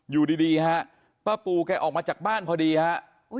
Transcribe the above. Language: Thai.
อยู่ดีครับพ่อปูออกมามาจากบ้านเข้ามาพอดี